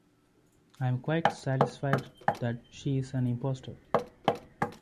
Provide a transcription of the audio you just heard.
I am quite satisfied that she is an impostor.